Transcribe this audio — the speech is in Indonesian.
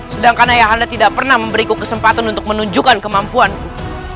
sedangkan ayah anda tidak pernah memberiku kesempatan untuk menunjukkan kemampuanku